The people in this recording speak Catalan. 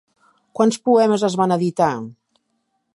Quants poemes es van editar?